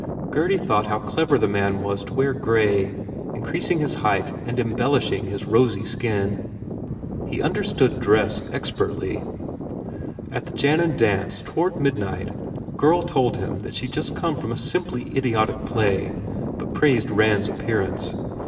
Gurdy thought how clever the man was to wear grey, increasing his height and embellishing his rosy skin. He understood dress expertly. At the Jannan dance, toward midnight, a girl told him that she d just come from a "simply idiotic play" but praised Rand s appearance.